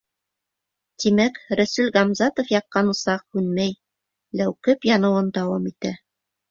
Тимәк, Рәсүл Ғамзатов яҡҡан усаҡ һүнмәй, ләүкеп яныуын дауам итә.